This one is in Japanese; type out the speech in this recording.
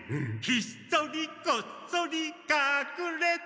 「ひっそりこっそりかくれて」